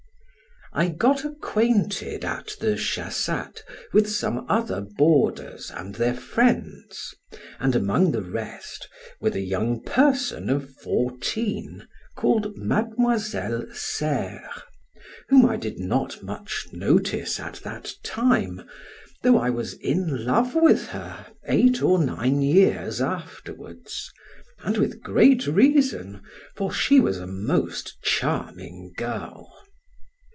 I got acquainted at the Chasattes with some other boarders and their friends, and among the rest, with a young person of fourteen, called Mademoiselle Serre, whom I did not much notice at that time, though I was in love with her eight or nine years afterwards, and with great reason, for she was a most charming girl.